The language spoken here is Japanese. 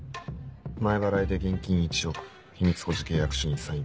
前払いで現金１億秘密保持契約書にサイン。